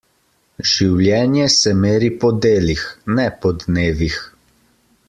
Življenje se meri po delih, ne po dnevih.